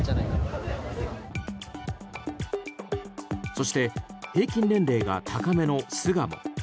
そして平均年齢が高めの巣鴨。